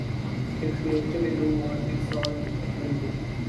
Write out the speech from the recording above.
If we actually do want it solved, it will be.